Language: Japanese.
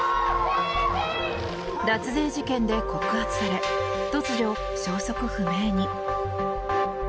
脱税事件で告発され突如、消息不明に。